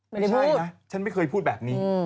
ไม่ใช่นะฉันไม่เคยพูดแบบนี้